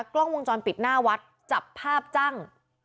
กล้องวงจรปิดหน้าวัดจับภาพจัง